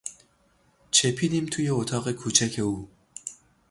چپیدیم توی اتاق کوچک او